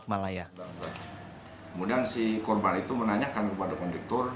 kemudian si korban itu menanyakan kepada kondektor